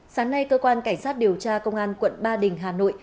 sáng nay cơ quan cảnh sát điều tra công an quận ba đình hà nội